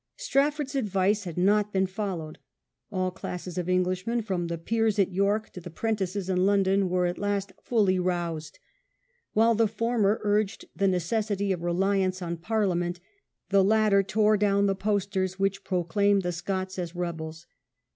Strafford's advice had not been followed. All classes of Englishmen, from the peers at York tg the 'prentices in London, were at last fully roused. While The king's the former urged the necessity of reliance on lesson Parliament, the latter tore down the posters which pro claimed the Scots as rebels.